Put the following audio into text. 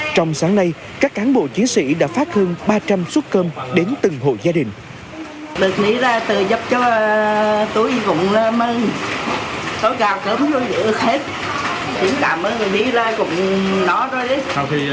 trong sáng nay các cán bộ chiến sĩ đã phát hơn ba trăm linh suất cơm đến từng hộ gia đình